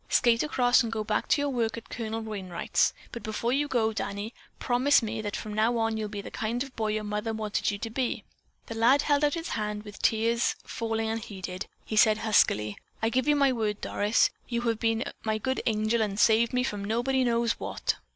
Skate across and go back to your work at Colonel Wainright's, but before you go, Danny, promise me that from now on you'll be the kind of a boy your mother wanted you to be." The lad held out his hand and, with tears falling unheeded, he said huskily: "I give you my word, Doris. You've been my good angel and saved me from nobody knows what."